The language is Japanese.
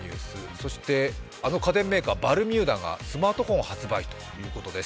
そしてあの家電メーカー・バルミューダがスマートフォンを発売ということです。